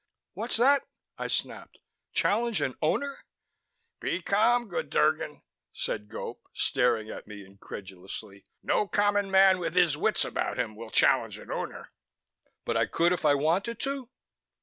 "What's that?" I snapped. "Challenge an Owner?" "Be calm, good Drgon," said Gope, staring at me incredulously. "No common man with his wits about him will challenge an Owner." "But I could if I wanted to?"